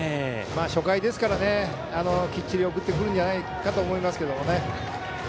初回ですからきっちり送ってくるんじゃないかと思いますけどね。